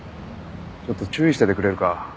ちょっと注意しててくれるか？